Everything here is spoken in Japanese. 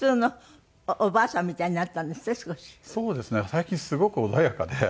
最近すごく穏やかで。